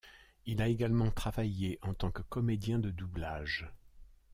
Il a également travaillé en tant que comédien de doublage.